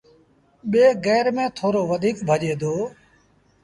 ٻي گير ميݩ ٿورو وڌيڪ ڀڄي دو۔